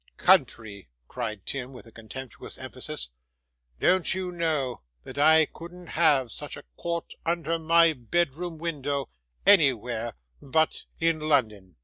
Country!' cried Tim, with a contemptuous emphasis; 'don't you know that I couldn't have such a court under my bedroom window, anywhere, but in London?